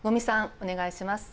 お願いします。